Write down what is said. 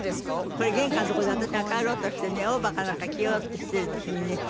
これ玄関の所で私が帰ろうとしてねオーバーかなんか着ようとしてる時にね